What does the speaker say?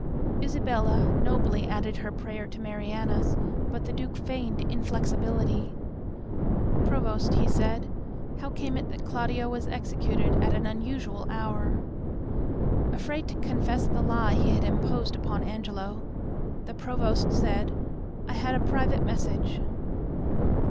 Isabella nobly added her prayer to Mariana's, but the Duke feigned inflexibility. "Provost," he said, "how came it that Claudio as executed at an unusual hour?" Afraid to confess the lie he had imposed upon Angelo, the Provost said, "I had a private message."